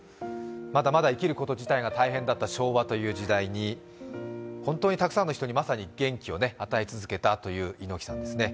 まだまだ生きることが大変だった昭和という時代に、本当にたくさんの人にまさに元気を与え続けたという猪木さんですね。